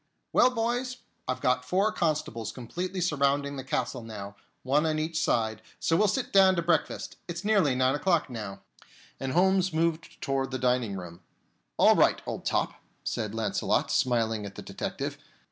"Well, boys, I've got four constables completely surrounding the castle now, one on each side, so we'll sit down to breakfast. It's nearly nine o'clock now." And Holmes moved toward the dining room. "All right, old top," said Launcelot, smiling at the detective.